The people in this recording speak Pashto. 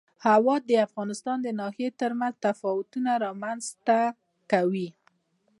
هوا د افغانستان د ناحیو ترمنځ تفاوتونه رامنځ ته کوي.